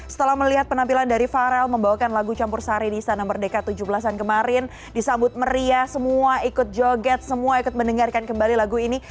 setelah melihat penampilan dari farel membawakan lagu campur sari di istana merdeka tujuh belas an kemarin disambut meriah semua ikut joget semua ikut mendengarkan kembali lagu ini